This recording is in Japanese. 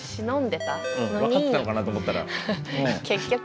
分かってたのかなと思ったら。